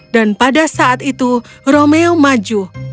dan pada saat itu romeo maju